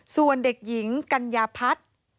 ส่วนเด็กหญิงกัญญาพัฒน์